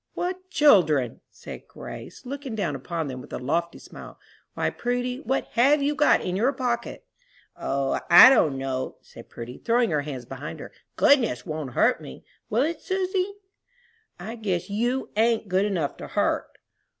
"What children!" said Grace, looking down upon them with a lofty smile. "Why, Prudy, what have you got in your pocket?" "O, I don't know," said Prudy, throwing her hands behind her. "Goodness won't hurt me, will it, Susy?" "I guess you ain't good enough to hurt."